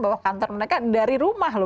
bawa kantor mereka dari rumah loh